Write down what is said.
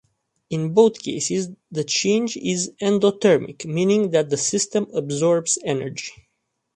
In both cases the change is endothermic, meaning that the system absorbs energy.